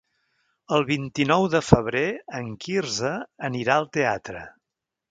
El vint-i-nou de febrer en Quirze anirà al teatre.